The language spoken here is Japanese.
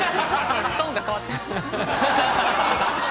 トーンが変わっちゃいました。